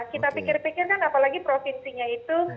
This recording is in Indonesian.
kita pikir pikir kan apalagi provinsinya itu